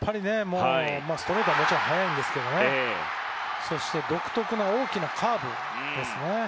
ストレートはもちろん速いんですけど独特な大きなカーブですね。